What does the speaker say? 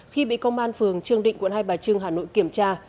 khi bị công an phường trương định quận hai bà trưng hà nội kiểm tra